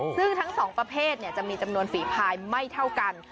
ซึ่งทั้งสองประเภทจะมีจำนวนฝีพายไม่เท่ากัน